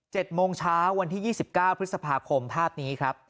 เจ็บโมงเช้าวันที่สิบเก้าพฤษพาคมพลาดนี้ครับ